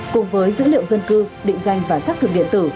cùng với dữ liệu dân cư định danh và sát thường điện tử